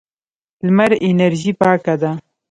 لمر انرژي پاکه ده.